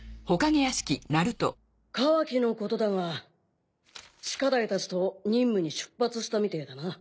カワキのことだがシカダイたちと任務に出発したみてぇだな。